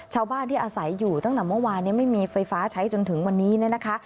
ชาวบ้านที่อาศัยอยู่ตั้งแต่เมื่อวานไม่มีไฟฟ้าใช้จนถึงวันนี้เนี่ยนะคะ